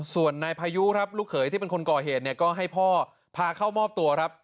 ส่วนในพายุลูกเขยที่เป็นคนก่อเหตุก็ให้พ่อพาเข้ามอบตัว